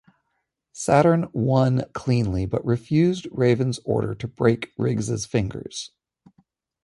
Saturn won cleanly, but refused Raven's order to break Riggs' fingers.